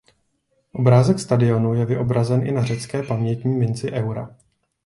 Obrázek stadionu je vyobrazen i na řecké pamětní minci eura.